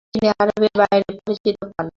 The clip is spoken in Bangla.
তিনি আরবের বাইরে পরিচিতি পান।